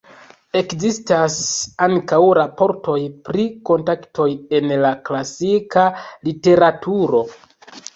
Ekzistas ankaŭ raportoj pri kontaktoj en la klasika literaturo.